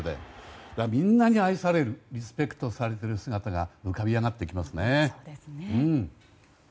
みんなに愛されているリスペクトされている姿が浮かび上がってきますね。